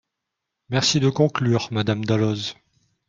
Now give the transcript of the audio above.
Merci de conclure, Madame Dalloz.